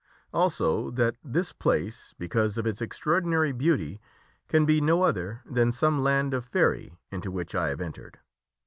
Also that this place, because of its extraordinary beauty, can be no other than some land of Faerie into which I have entered."